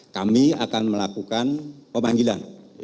kami akan melakukan pemanggilan